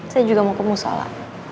saya juga mau ke musola